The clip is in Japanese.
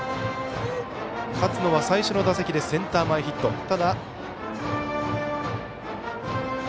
勝野は最初の打席でセンター前ヒット。